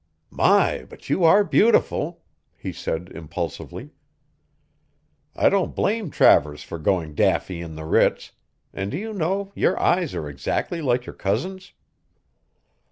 "My, but you are beautiful!" he said impulsively. "I don't blame Travers for going daffy in the Ritz, and do you know your eyes are exactly like your cousin's!"